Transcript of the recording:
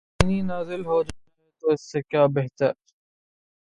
رنگینی نازل ہو جائے تو اس سے کیا بہتر۔